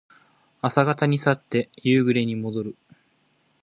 朝方に去って夕暮れにもどる。